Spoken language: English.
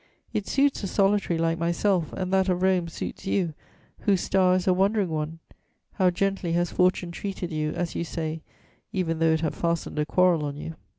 It suits a solitary like myself, and that of Rome suits you, whose star is a wandering one. How gently has fortune treated you, as you say, even though it have fastened a quarrel on you!!!"